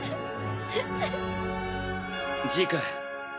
ジーク。